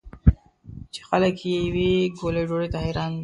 چې خلک یې یوې ګولې ډوډۍ ته حیران وي.